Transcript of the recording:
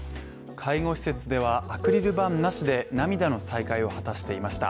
介護施設では、アクリル板なしで涙の再会を果たしていました。